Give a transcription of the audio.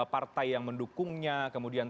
partai yang mendukungnya kemudian